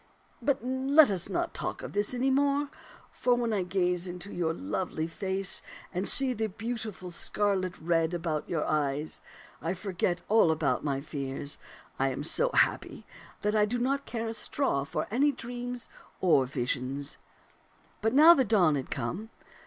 But now let us not talk of this any more, for when I gaze into your lovely face and see the beautiful scarlet red about your eyes, I forget all about my fears ; I am so happy that I do not care a straw for any dreams or visions." But now the dawn had come.